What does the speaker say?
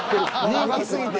人気すぎて。